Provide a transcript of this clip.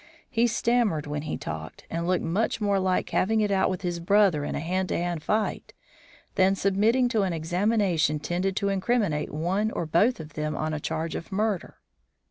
He stammered when he talked, and looked much more like having it out with his brother in a hand to hand fight than submitting to an examination tending to incriminate one or both of them on a charge of murder.